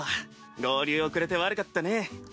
合流遅れて悪かったね。